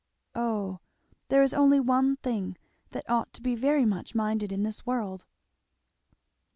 Oh, there is only one thing that ought to be very much minded in this world!"